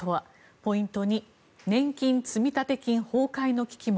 ポイント２、年金積立金崩壊の危機も。